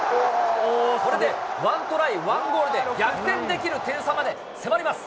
これでワントライ、ワンゴールで逆転できる点差まで迫ります。